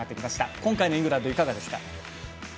今回のイングランドいかがですか？